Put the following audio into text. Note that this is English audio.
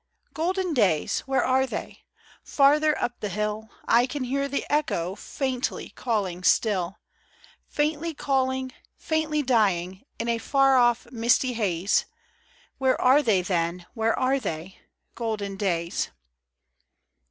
Golden days — where are they ? Farther up the hill I can hear the echo Faintly calling still: Faintly calling, faintly dying, In a far off misty haze :— Where are they, then, where are they — Golden days